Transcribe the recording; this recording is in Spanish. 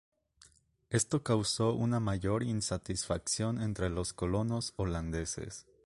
Esto causó una mayor insatisfacción entre los colonos holandeses.